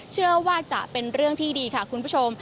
เชื่อว่าจะเป็นเรื่องที่ดีค่ะคุณผู้ชม